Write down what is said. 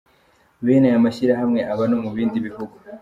Bene aya mashyirahamwe aba no mu bindi bihugu.